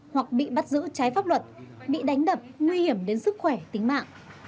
hoặc bị bắt giữ trái pháp luật bị đánh đập nguy hiểm đến sức khỏe tính mạng